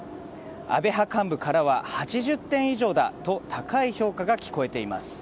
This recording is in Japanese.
安倍派幹部からは８０点以上だと高い評価が聞こえています。